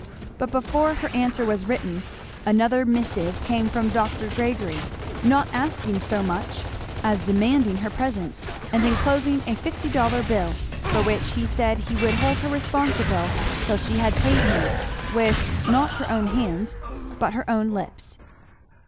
But before her answer was written, another missive came from Dr. Gregory, not asking so much as demanding her presence, and enclosing a fifty dollar bill, for which he said he would hold her responsible till she had paid him with, not her own hands, but her own lips.